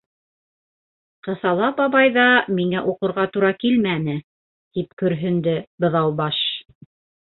—Ҡыҫала бабайҙа миңә уҡырға тура килмәне! —тип көрһөндө Быҙаубаш.